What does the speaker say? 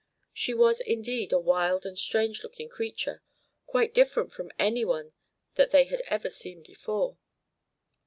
She was indeed a wild and strange looking creature, quite different from any one that they had ever seen before.